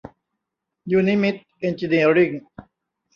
ยูนิมิต เอนจิเนียริ่ง